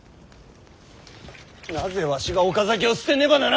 なぜわしが岡崎を捨てねばならんのじゃ！